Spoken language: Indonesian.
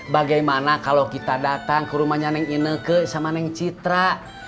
bagaimana kalau kita datang ke rumahnya neng ineke sama neng citra